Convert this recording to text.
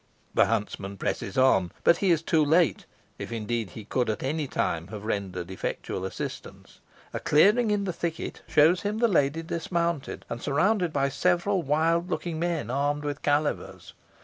The huntsman presses on, but he is too late, if, indeed, he could at any time have rendered effectual assistance. A clearing in the thicket shows him the lady dismounted, and surrounded by several wild looking men armed with calivers.